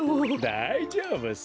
だいじょうぶさ。